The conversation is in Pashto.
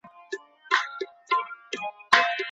هغوی نور صلاحيتونه نلري.